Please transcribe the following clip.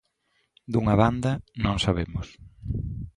Dunha banda, non sabemos.